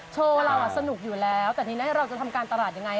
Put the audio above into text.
โชว์เราสนุกอยู่แล้วแต่ทีนี้เราจะทำการตลาดยังไง